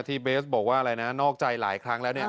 เบสบอกว่าอะไรนะนอกใจหลายครั้งแล้วเนี่ย